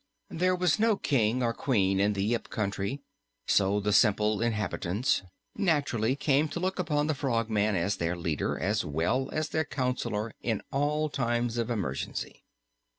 There was no King or Queen in the Yip Country, so the simple inhabitants naturally came to look upon the Frogman as their leader as well as their counselor in all times of emergency.